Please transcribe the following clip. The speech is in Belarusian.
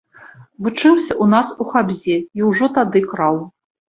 Вучыўся ў нас у хабзе, і ўжо тады краў.